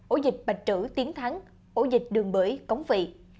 ổ dịch bạch trữ tiếng thắng ổ dịch đường bưởi cống vị